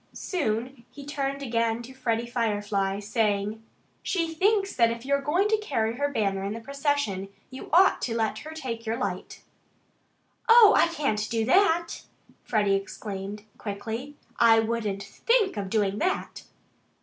Soon he turned again to Freddie Firefly, saying, "She thinks that if you're going to carry her banner in the procession you ought to let her take your light." "Oh, I can't do that!" Freddie exclaimed quickly. "I wouldn't THINK of doing that!"